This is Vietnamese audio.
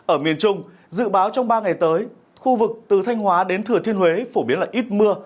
ở miền trung dự báo trong ba ngày tới khu vực từ thanh hóa đến thừa thiên huế phổ biến là ít mưa